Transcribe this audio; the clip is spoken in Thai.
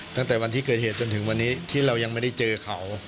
ตั้งแต่วันที่เกิดเหตุจนถึงวันนี้ที่เรายังไม่ได้เจอเขา